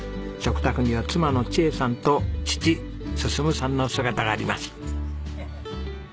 食卓には妻の千恵さんと父駸さんの姿があります。